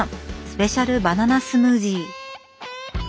スぺシャルバナナスムージー。